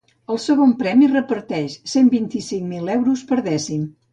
El segon premi reparteix cent vint-i-cinc mil euros per dècim.